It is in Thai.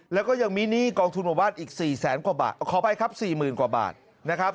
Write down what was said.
แล้วก็ยังมีหนี้กองทุนหมู่บ้านอีก๔แสนกว่าบาทขออภัยครับสี่หมื่นกว่าบาทนะครับ